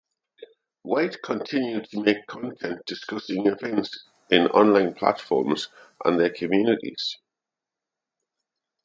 White continued to make content discussing events in online platforms and their communities.